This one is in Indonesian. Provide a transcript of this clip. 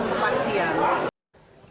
karena masyarakat kader dan caleg untuk kepastian